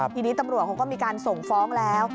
ทีนี้ตำรวจเขาก็มีการส่งฟ้องแล้ว